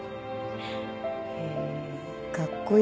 へえかっこいいな。